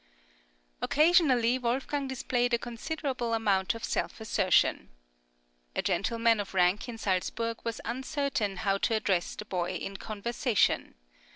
Occasionally, Wolfgang displayed a considerable amount of self assertion. A gentleman of rank in Salzburg was uncertain how to address the boy in conversation.